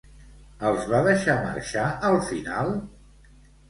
Els va deixar marxar al final?